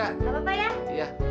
gak apa apa ya